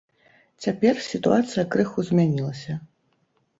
Цяпер сітуацыя крыху змянілася.